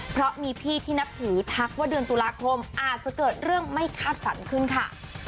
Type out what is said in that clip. เพราะมีพี่ที่นับถือทักว่าเดือนตุลาคมอาจจะเกิดเรื่องไม่คาดฝันขึ้นค่ะ